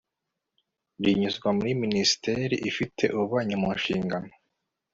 rinyuzwa muri minisiteri ifite ububanyi mu nshingano